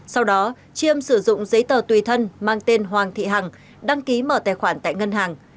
sau đó chiêm sử dụng giấy tờ tùy thân mang tên hoàng thị hằng đăng ký mở tài khoản tại ngân hàng